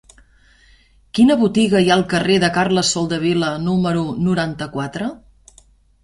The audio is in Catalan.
Quina botiga hi ha al carrer de Carles Soldevila número noranta-quatre?